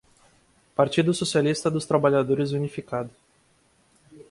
Partido socialista dos trabalhadores unificado